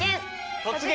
「突撃！